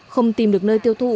không tìm được nơi tiêu thụ